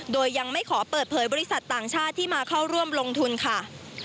โดยยังไม่ขอเปิดเผยบริษัทต่างชาติที่มาเข้าร่วมลงทุนค่ะ